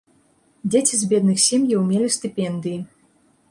Дзеці з бедных сем'яў мелі стыпендыі.